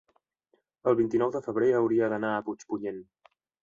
El vint-i-nou de febrer hauria d'anar a Puigpunyent.